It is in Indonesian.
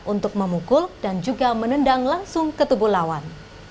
untuk memukul dan juga menendang langsung ketubuh lawan